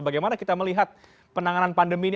bagaimana kita melihat penanganan pandemi ini